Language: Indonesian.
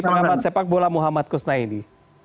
pengamat sepak bola muhammad kusnaini